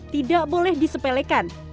tidak boleh disepelekan